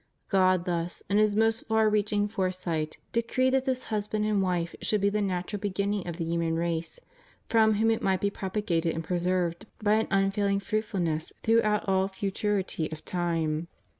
God thus, in His most far reaching foresight, decreed that this husband and wife should be the natural beginning of the human race, from whom it might be propagated and preserved by an unfailing fruitfulness throughout all futurity of time.